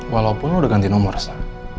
walaupun lo udah ganti nomor sa